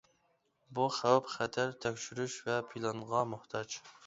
بۇ خەۋپ-خەتەر تەكشۈرۈش ۋە پىلانغا موھتاج.